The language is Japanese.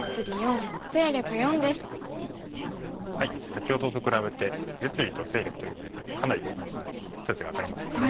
先ほどと比べて実利と勢力という面でかなり数値が上がりましたね。